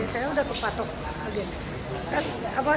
saya sudah kepatok agen